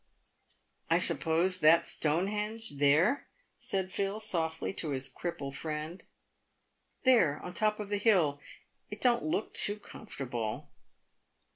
" I suppose that's Stonehenge, there ?" said Phil, softly, to his cripple friend. " There — on the top of the hill. It don't look too comfortable."